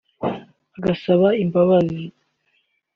agasaba imbabazi